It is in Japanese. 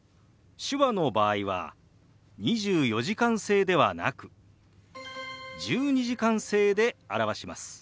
手話の場合は２４時間制ではなく１２時間制で表します。